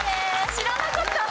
知らなかった。